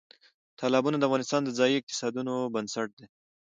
تالابونه د افغانستان د ځایي اقتصادونو بنسټ دی.